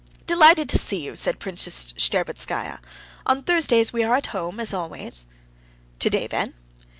"Delighted to see you," said Princess Shtcherbatskaya. "On Thursdays we are home, as always." "Today, then?"